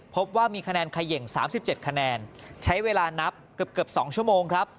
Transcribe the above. พบว่ามีคะแนนเขย่ง๓๗คะแนนใช้เวลานับเกือบ๒ชั่วโมงครับ